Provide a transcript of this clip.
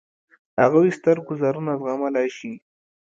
هغوی ستر ګوزارونه زغملای شي.